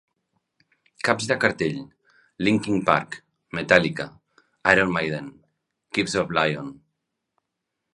Caps de cartell: Linkin Park, Metallica, Iron Maiden, Kings Of Leon.